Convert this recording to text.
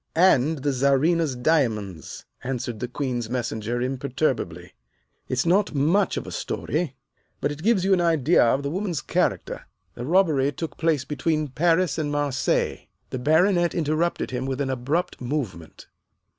"And the Czarina's diamonds," answered the Queen's Messenger imperturbably. "It's not much of a story, but it gives you an idea of the woman's character. The robbery took place between Paris and Marseilles." The Baronet interrupted him with an abrupt movement.